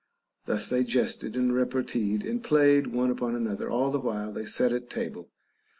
Thus they jested and reparteed and played one upon an other all the while they sat at table.